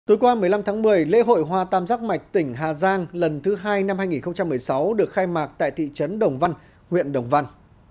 tối qua một mươi năm tháng một mươi lễ hội hoa tam giác mạch tỉnh hà giang lần thứ hai năm hai nghìn một mươi sáu được khai mạc tại thị trấn đồng văn huyện đồng văn